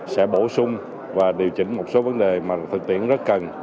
sẽ bổ sung và điều chỉnh một số vấn đề mà thực tiễn rất cần